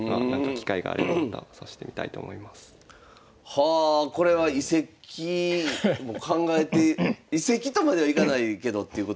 はあこれは移籍も考えて移籍とまではいかないけどということなんですね。